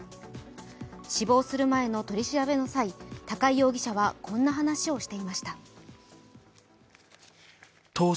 死亡する前の取り調べの際、高い容疑者はこんな話をしていました。